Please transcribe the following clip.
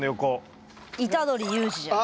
虎杖悠仁じゃない？